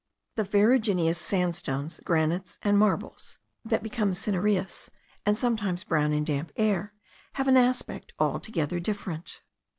The ferruginous sandstones, granites, and marbles, that become cinereous and sometimes brown in damp air, have an aspect altogether different.